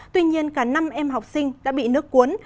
tuy nhiên cả năm em học sinh đã bị nước cuốn